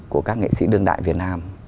của các nghệ sĩ đương đại việt nam